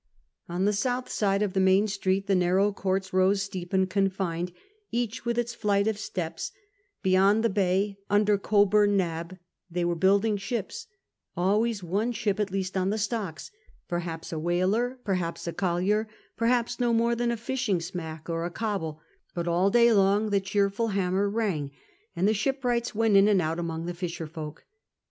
On the south side of the inain street the narrow courts rose steep and confined, each with its flight of steps ; beyond the bay, under Coburn Nab, they were building ships, — always one siiip at least on the stocks ; perhaps a whaler, perhaps a collier, perhaps no more than a fishing smack or a coble ; but all day long the cheerful hammer rang, and the ship Wrights went in and out among the fisher folk.